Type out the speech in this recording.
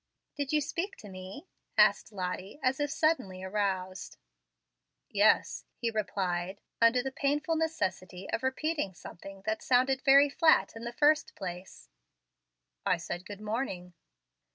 "Did you speak to me?" asked Lottie, as if suddenly aroused. "Yes," he replied, under the painful necessity of repeating something that had sounded very flat in the first place, "I said good morning."